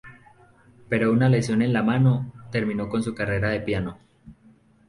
Pero una lesión en la mano, terminó con su carrera de piano.